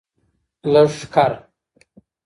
لښکر